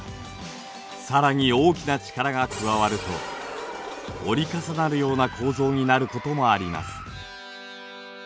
さらに大きな力が加わると折り重なるような構造になることもあります。